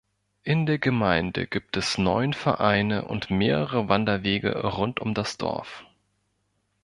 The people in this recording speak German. In der Gemeinde gibt es neun Vereine und mehrere Wanderwege rund um das Dorf.